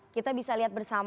kita bisa lihat bersama